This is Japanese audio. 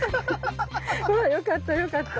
まあよかったよかった。